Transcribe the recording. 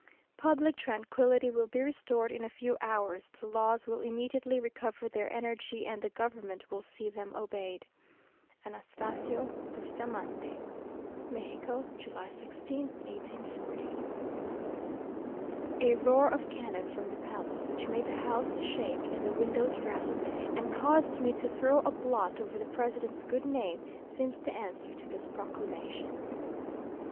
Public tranquillity will be restored in a few hours; the laws will immediately recover their energy, and the government will see them obeyed. "ANASTASIO BUSTAMANTE." "Mexico, July 16th, 1840." A roar of cannon from the Palace, which made the house shake and the windows rattle, and caused me to throw a blot over the President's good name, seems the answer to this proclamation.